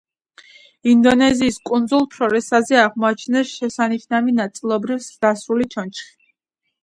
ინდონეზიის კუნძულ ფლორესზე აღმოჩინეს შესანიშნავი ნაწილობრივ ზრდასრული ჩონჩხი.